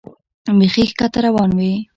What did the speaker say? بیخي ښکته روان وې.